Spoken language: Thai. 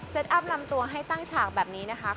อัพลำตัวให้ตั้งฉากแบบนี้นะคะ